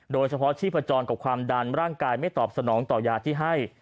โดยเฉพาะชีพจรกับความดันร่างกายไม่ตอบสนองต่อยาที่ให้